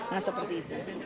nah seperti itu